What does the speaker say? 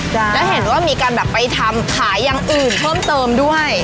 แล้วเห็นว่ามีการแบบไปทำขายอย่างอื่นเพิ่มเติมด้วย